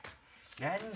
何だ？